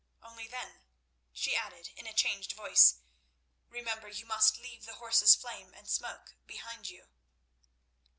Only then," she added in a changed voice, "remember, you must leave the horses Flame and Smoke behind you."